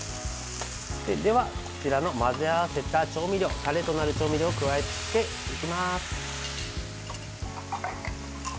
では混ぜ合わせたタレとなる調味料を加えていきます。